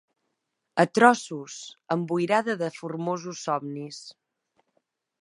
A trossos emboirada de formosos somnis